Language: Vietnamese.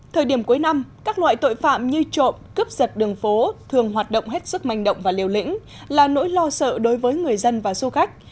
thời điểm cuối năm các loại tội phạm như trộm cướp giật đường phố thường hoạt động hết sức manh động và liều lĩnh là nỗi lo sợ đối với người dân và du khách